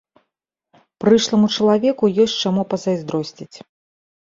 Прышламу чалавеку ёсць чаму пазайздросціць.